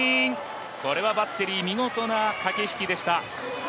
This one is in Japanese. これはバッテリー、見事な駆け引きでした。